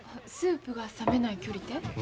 スープが冷めない距離て？